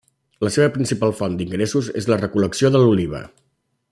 La seva principal font d'ingressos és la recol·lecció de l'oliva.